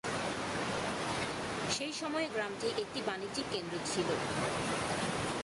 সেই সময়ে গ্রামটি একটি বাণিজ্যিক কেন্দ্র ছিল।